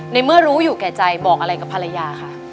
ในเมื่อรู้อยู่แก่ใจบอกอะไรกับภรรยาคะ